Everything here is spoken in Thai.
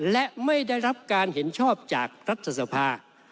และไม่ได้รับการเห็นชอบจากรัฐสภา